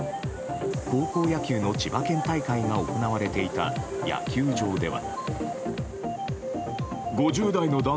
高校野球の千葉県大会が行われていた野球場では。